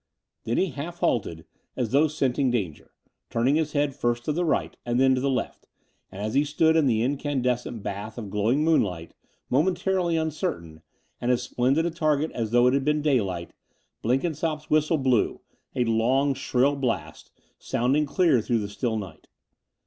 Then he half halted as though scenting danger, turning his head first to the right, and then to the left ; and, as he stood in the incandescent bath of glowing moonlight, momentarily tmcertain, and as splendid a target as though it had been daylight, Blenkinsopp's whistle blew — a long, shrill blast, soimding clear through the still night.